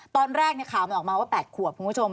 ตอนแรกข่าวมันออกมาว่า๘ขวบคุณผู้ชม